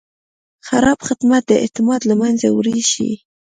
خراب خدمت د اعتماد له منځه وړی شي.